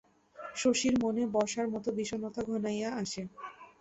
শশীর মনে বর্ষার মতো বিষণ্ণতা ঘনাইয়া আসে।